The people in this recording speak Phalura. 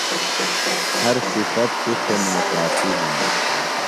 ہر صِفت توۡ تھےۡ ناکافی ہِنیۡ۔